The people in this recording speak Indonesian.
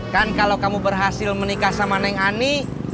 kan kalau kamu berhasil menikah sama neng ani